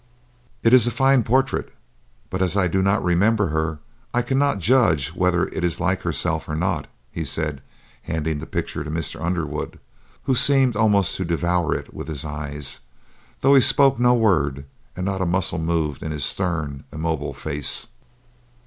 "It is a fine portrait, but as I do not remember her, I cannot judge whether it is like herself or not," he said, handing the picture to Mr. Underwood, who seemed almost to devour it with his eyes, though he spoke no word and not a muscle moved in his stern, immobile face.